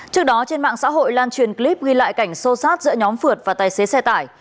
trước đó trên mạng xã hội lan truyền clip ghi lại cảnh sô sát giữa nhóm phượt và tài xế xe tải